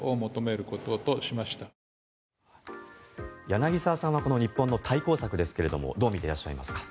柳澤さんはこの日本の対抗策ですけれどもどうみていらっしゃいますか？